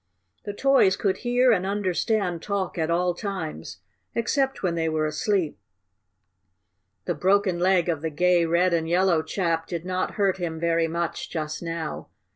The toys could hear and understand talk at all times, except when they were asleep. The broken leg of the gay red and yellow chap did not hurt him very much just now.